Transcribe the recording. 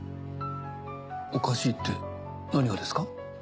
おかしいって何がですか？